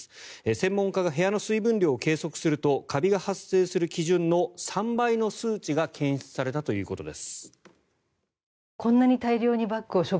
専門家が部屋の水分量を計測するとカビが発生する基準の３倍の数値が検出されたということです。